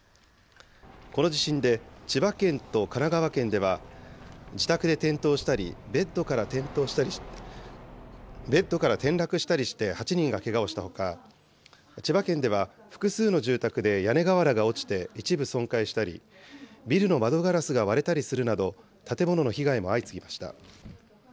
この地震で千葉県と神奈川県では、自宅で転倒したり、ベッドから転落したりして、８人がけがをしたほか、千葉県では複数の住宅で屋根瓦が落ちて一部損壊したり、ビルの窓ガラスが割れたりするなど、建物の被害も相次ぎました。